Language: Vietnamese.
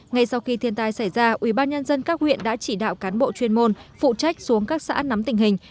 ngay sau khi thiên tai xảy ra ubnd các huyện đã chỉ đạo cán bộ chuyên môn phụ trách xuống các xã nắm tình hình